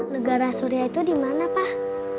negara surya itu dimana pak